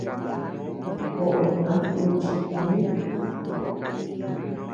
Koʼoy ama yuchii tï.